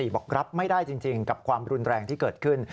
บอกรับไม่ได้จริงกับความรุนแรงที่เกิดขึ้น